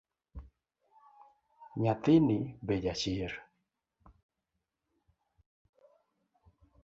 Nyathini be ja chir